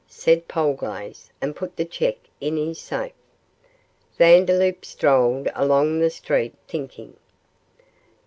said Polglaze, and put the cheque in his safe. Vandeloup strolled along the street thinking.